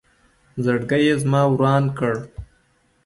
زړګې یې زما وران کړ